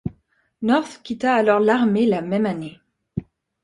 North quitta alors l'armée la même année.